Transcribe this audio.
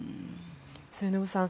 末延さん